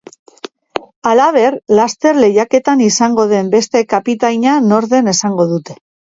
Halaber, laster lehiaketan izango den beste kapitaina nor den esango dute.